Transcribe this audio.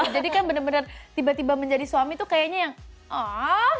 jadi kan bener bener tiba tiba menjadi suami tuh kayaknya yang aah